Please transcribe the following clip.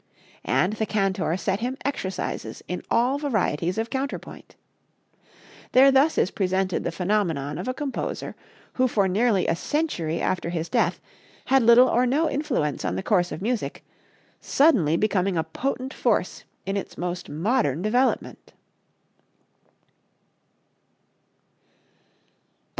And the Cantor set him exercises in all varieties of counterpoint. There thus is presented the phenomenon of a composer who for nearly a century after his death had little or no influence on the course of music, suddenly becoming a potent force in its most modern development.